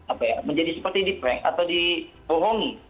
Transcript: apa ya menjadi seperti diprank atau dibohongi